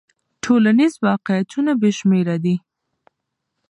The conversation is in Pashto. ټولنیز واقعیتونه بې شمېره دي.